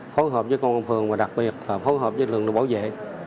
phối hợp với công an phường và đặc biệt phối hợp với lực lượng bảo vệ